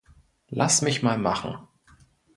Lass mich mal machen.